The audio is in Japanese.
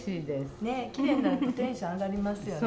きれいになるとテンション上がりますよね。